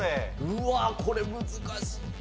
うわこれ難しい。